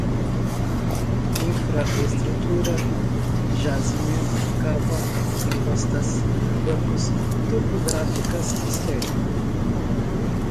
infra-estrutura, jazimento, cava, encostas, bancos, topográficas, estéril